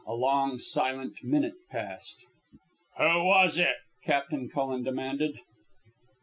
A long, silent minute passed. "Who was it?" Captain Cullen demanded.